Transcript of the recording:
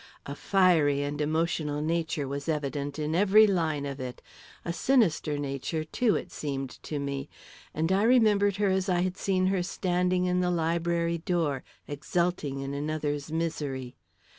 A fiery and emotional nature was evident in every line of it a sinister nature, too, it seemed to me and I remembered her as I had seen her standing in the library door, exulting in another's misery.